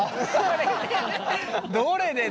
どれでね。